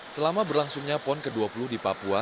selama berlangsungnya pon ke dua puluh di papua